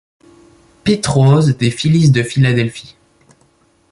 Pete Rose, des Phillies de Philadelphie.